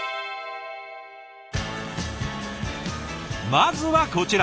まずはこちら。